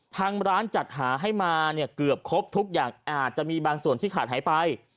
ทางร้านจัดหาให้มาเนี่ยเกือบครบทุกอย่างอาจจะมีบางส่วนที่ขาดหายไป